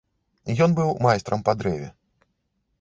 Ён быў майстрам па дрэве.